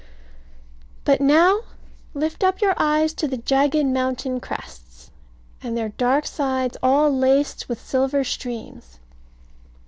But now lift up your eyes to the jagged mountain crests, and their dark sides all laced with silver streams.